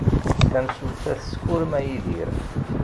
Tamsulta teskurma Yidir.